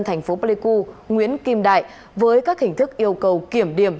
thành phố pleiku nguyễn kim đại với các hình thức yêu cầu kiểm điểm